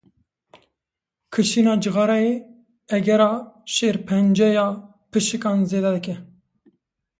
Kişîna cixareyê, egera şêrpenceya pişikan zêde dike.